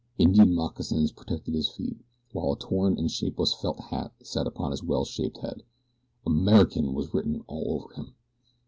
Indian moccasins protected his feet, while a torn and shapeless felt hat sat upon his well shaped head. AMERICAN was written all over him.